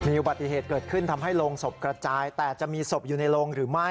มีอุบัติเหตุเกิดขึ้นทำให้โรงศพกระจายแต่จะมีศพอยู่ในโรงหรือไม่